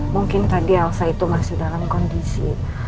mungkin tadi elsa itu masih dalam kondisi